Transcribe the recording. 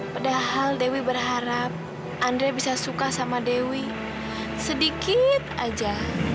padahal dewi berharap andre bisa suka sama dewi sedikit aja